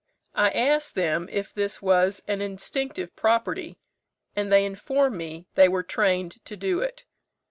I asked them if this was an instinctive property, and they informed me they were trained to it.